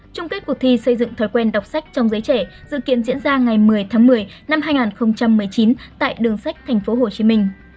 trung kết cuộc thi xây dựng thói quen đọc sách trong giới trẻ dự kiến diễn ra ngày một mươi tháng một mươi năm hai nghìn một mươi chín tại đường sách tp hcm